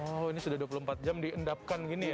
oh ini sudah dua puluh empat jam diendapkan gini ya